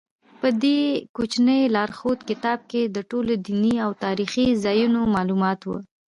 په دې کوچني لارښود کتاب کې د ټولو دیني او تاریخي ځایونو معلومات و.